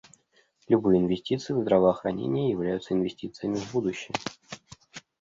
Любые инвестиции в здравоохранение являются инвестициями в будущее.